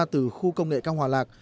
ra từ khu công nghệ cao hòa lạc